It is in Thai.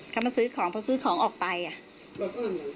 เขามาซื้อของเพราะซื้อของออกไปอ่ะ